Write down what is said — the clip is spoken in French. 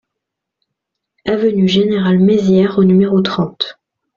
Avenue Général Maizière au numéro trente